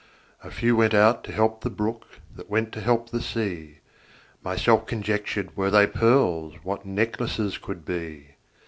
A few went out to help the brook, That went to help the sea. Myself conjectured, Were they pearls, What necklaces could be!